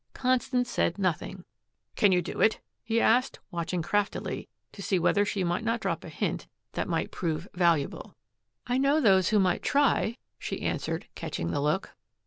Constance said nothing. "Can you do it?" he asked, watching craftily to see whether she might not drop a hint that might prove valuable. "I know those who might try," she answered, catching the look.